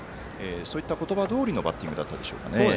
そういった言葉どおりのバッティングだったでしょうかね。